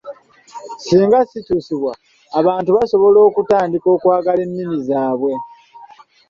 "Singa bikyusibwa, abantu basobola okutandika okwagala ennimi zaabwe."